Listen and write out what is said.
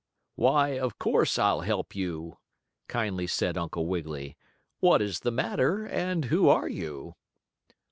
"Why, of course, I'll help you," kindly said Uncle Wiggily. "What is the matter, and who are you?"